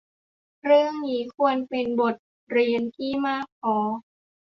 เรื่องนี้ควรเป็นบทเรียนที่มากพอ